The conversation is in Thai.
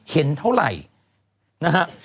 เห็นเท่าไหร่นะฮะ